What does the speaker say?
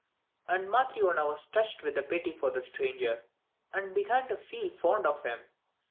And Matryona was touched with pity for the stranger, and began to feel fond of him.